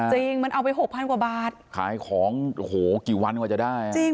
จริงมันเอาไปหกพันกว่าบาทขายของโอ้โหกี่วันกว่าจะได้จริง